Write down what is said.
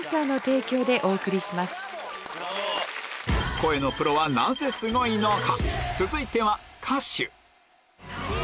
声のプロはなぜすごいのか？